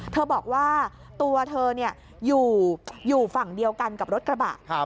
บอกว่าตัวเธออยู่ฝั่งเดียวกันกับรถกระบะ